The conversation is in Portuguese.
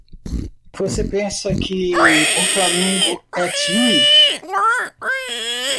Você pensa que o flamengo é time?